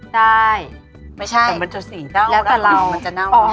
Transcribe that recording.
ได้ไม่ใช่แล้วกับเรามันจะน่าว